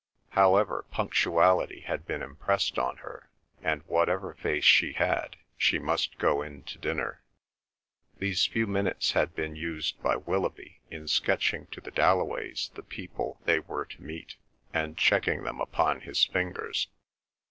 However, punctuality had been impressed on her, and whatever face she had, she must go in to dinner. These few minutes had been used by Willoughby in sketching to the Dalloways the people they were to meet, and checking them upon his fingers.